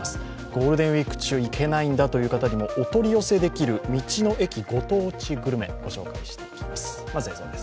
ゴールデンウイーク中、行けないんだという方にもお取り寄せできる道の駅ご当地グルメ、御紹介していきます。